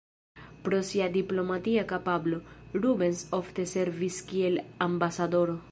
Pro sia diplomatia kapablo, Rubens ofte servis kiel ambasadoro.